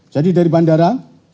jadi dari bandara